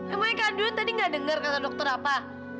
emang kak juan tadi gak denger kata dokter apa